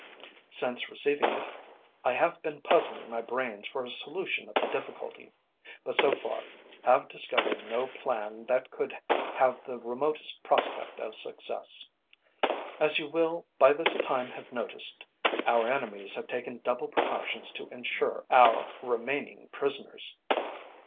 Since receiving it, I have been puzzling my brains for a solution of the difficulty, but so far have discovered no plan that could have the remotest prospect of success. As you will by this time have noticed, our enemies have taken double precautions to ensure our remaining prisoners.